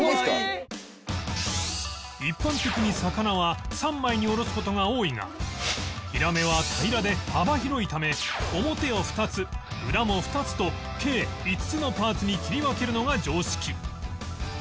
一般的に魚は３枚におろす事が多いがヒラメは平らで幅広いため表を２つ裏も２つと計５つのパーツに切り分けるのが常識